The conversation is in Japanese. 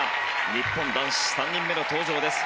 日本男子３人目の登場です。